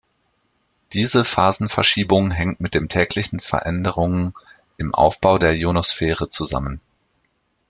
Diese Phasenverschiebung hängt mit dem täglichen Veränderungen im Aufbau der Ionosphäre zusammen.